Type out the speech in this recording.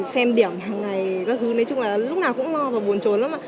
xem điểm hàng ngày lúc nào cũng lo và buồn trốn lắm